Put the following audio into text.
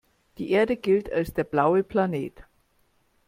Die Erde gilt als der „blaue Planet“.